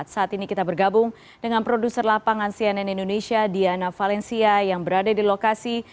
saat ini kita bergabung dengan produser lapangan cnn indonesia diana valencia yang berada di lokasi